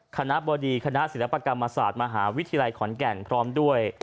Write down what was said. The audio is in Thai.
คณะบดีคณะศิลปกรรมศาสตร์มหาวิทยาลัยขอนแก่นพร้อมด้วย